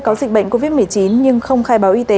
có dịch bệnh covid một mươi chín nhưng không khai báo y tế